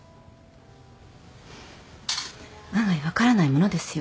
案外分からないものですよ？